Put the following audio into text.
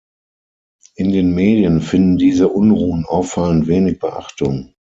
In den Medien finden diese Unruhen auffallend wenig Beachtung.